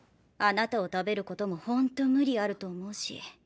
あなたを食べることも本当無理あると思うし。